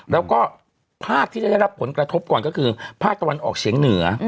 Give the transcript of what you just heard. แล้วก็ภาคที่จะได้รับผลกระทบก่อนก็คือภาคตะวันออกเฉียงเหนือ